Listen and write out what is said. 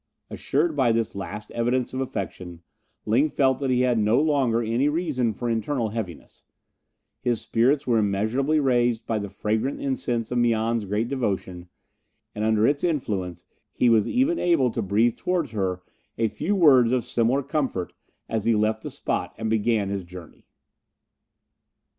Assured by this last evidence of affection, Ling felt that he had no longer any reason for internal heaviness; his spirits were immeasurably raised by the fragrant incense of Mian's great devotion, and under its influence he was even able to breathe towards her a few words of similar comfort as he left the spot and began his journey.